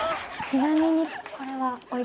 ちなみに。